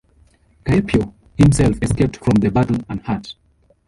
Caepio himself escaped from the battle unhurt.